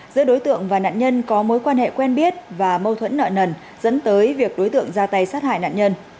giữa đối tượng và nạn nhân có mối quan hệ quen biết và mâu thuẫn nợ nần dẫn tới việc đối tượng ra tay sát hại nạn nhân